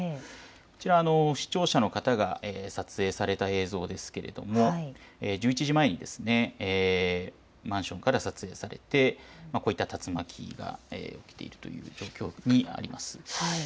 こちら、視聴者の方が撮影された映像ですが１１時前にマンションから撮影されてこういった竜巻が起きているという状況になります。